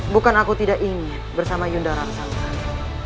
bukan aku tidak ingin bersama yunda rara santang